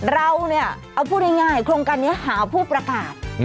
เราเนี่ยเอาพูดง่ายโครงการนี้หาผู้ประกาศ